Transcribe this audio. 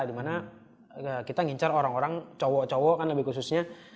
dimana kita ngincar orang orang cowok cowok kan lebih khususnya